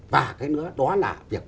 và cái nữa đó là việc bảo